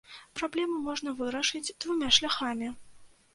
Праблему можна вырашыць двума шляхамі.